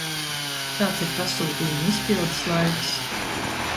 Kāds ir pasūtījuma izpildes laiks?